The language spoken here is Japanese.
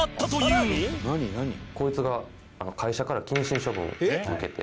こいつが会社から謹慎処分を受けて。